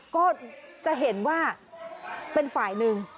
ก็จะเห็นว่าเป็นฝ่ายหนึ่ง